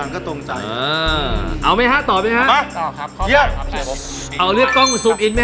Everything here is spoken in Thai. ก็ตรงการก็ตรงใจ